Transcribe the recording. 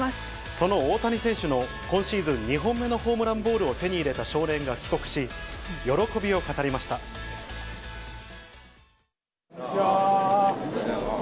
その大谷選手の今シーズン２本目のホームランボールを手に入れた少年が帰国し、喜びを語りまこんにちは。